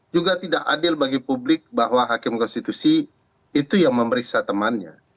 juga tidak adil bagi publik bahwa hakim konstitusi itu yang memeriksa temannya